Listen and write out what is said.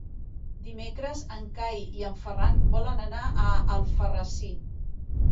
Dimecres en Cai i en Ferran volen anar a Alfarrasí.